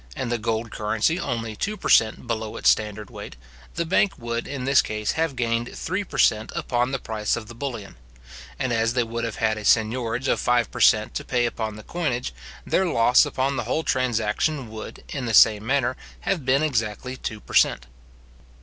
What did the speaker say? and the gold currency only two per cent. below its standard weight, the bank would, in this case, have gained three per cent. upon the price of the bullion; but as they would have had a seignorage of five per cent. to pay upon the coinage, their loss upon the whole transaction would, in the same manner, have been exactly two per cent.